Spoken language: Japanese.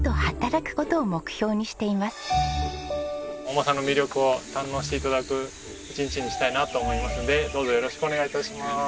お馬さんの魅力を堪能して頂く一日にしたいなと思いますのでどうぞよろしくお願い致しまーす。